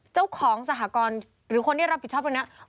เจ้าของสหกรณ์หรือคนที่รับผิดชอบตรงนี้